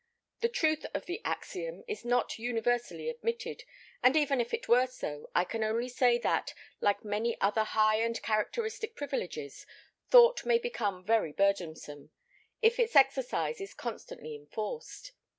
The truth of the axiom is not universally admitted, and even if it were so, I can only say that, like many other high and characteristic privileges, thought may become very burdensome, if its exercise is constantly enforced.